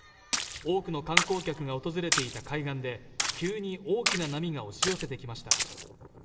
多くの観光客が訪れていた海岸で急に大きな波が押し寄せてきました。